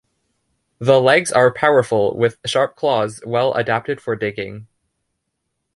The legs are powerful with sharp claws well adapted for digging.